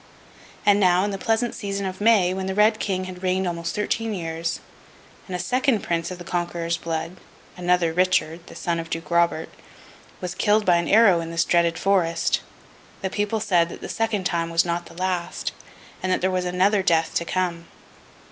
And now, in the pleasant season of May, when the Red King had reigned almost thirteen years; and a second Prince of the Conqueror's blood—another Richard, the son of Duke Robert—was killed by an arrow in this dreaded Forest; the people said that the second time was not the last, and that there was another death to come.